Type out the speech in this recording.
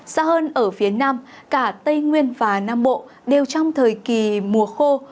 xa hơn ở phía nam cả tây nguyên và nam bộ đều trong thời kỳ mùa khô